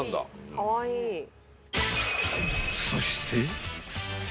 ［そして］